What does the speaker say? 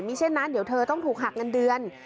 มีเช่นนั้นเดี๋ยวเธอต้องถูกหักเงินเดือน